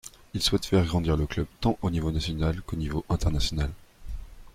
Il souhaite faire grandir le club tant au niveau national qu'au niveau international.